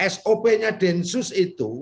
sop nya densus itu